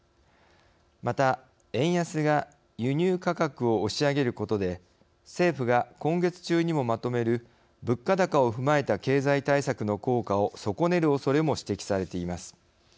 また、円安が、輸入価格を押し上げることで政府が今月中にもまとめる物価高を踏まえた経済対策の効果を損ねるおそれも指摘されています。